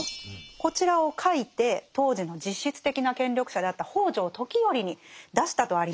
こちらを書いて当時の実質的な権力者であった北条時頼に出したとありましたよね。